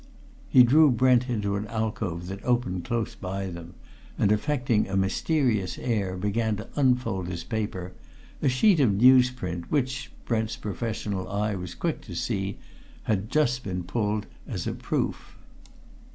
He drew Brent into an alcove that opened close by them, and affecting a mysterious air began to unfold his paper, a sheet of news print which, Brent's professional eye was quick to see, had just been pulled as a proof.